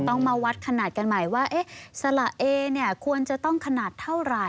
ต้องมาวัดขนาดกันใหม่ว่าสละเอเนี่ยควรจะต้องขนาดเท่าไหร่